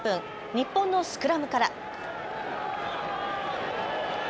日本のスクラムから。